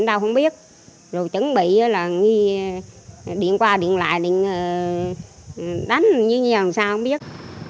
sao không biết rồi chuẩn bị là đi qua đi lại đánh như nhỏ sao không biết